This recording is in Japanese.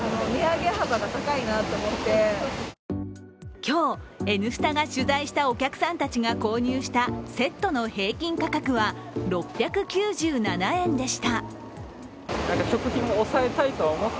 今日、「Ｎスタ」が取材したお客さんたちが購入したセットの平均価格は６９７円でした。